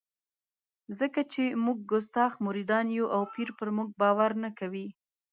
ځکه چې موږ کستاخ مریدان یو او پیر پر موږ باور نه کوي.